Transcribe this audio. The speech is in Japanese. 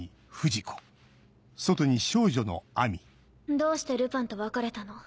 どうしてルパンと別れたの？